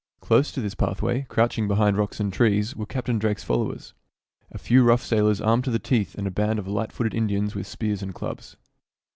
Close to this pathway, crouching behind rocks and trees, were Captain Drake's followers — a few rough sailors armed to the teeth and a band of light footed Indians with spears and clubs.